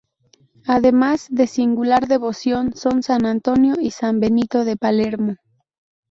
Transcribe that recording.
Además, de singular devoción, son san Antonio y san Benito de Palermo.